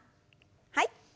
はい。